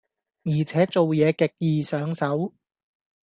而且做嘢極易上手